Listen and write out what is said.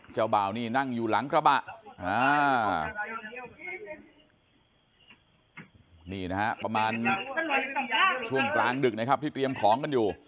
เจ้าบ่าวนี่นั่งอยู่หลังกระบะนี่นะฮะประมาณช่วงกลางดึกนะครับที่เตรียมของกันอยู่